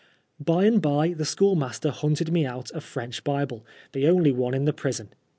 By and by the schoolmaster hunted me out a French Bible, the only one in the prison.